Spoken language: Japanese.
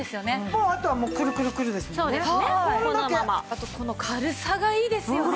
あとこの軽さがいいですよね。